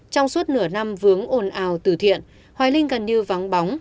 trong suốt nửa năm vướng ồn ào tử thiện hoài linh gần như vắng bóng